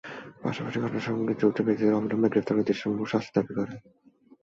পাশাপাশি ঘটনার সঙ্গে যুক্ত ব্যক্তিদের অবিলম্বে গ্রেপ্তার করে দৃষ্টান্তমূলক শাস্তি দাবি করে।